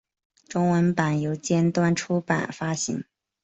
中文版由尖端出版发行。